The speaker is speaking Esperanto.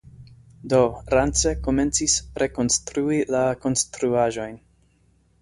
Do Rance komencis rekonstrui la konstruaĵojn.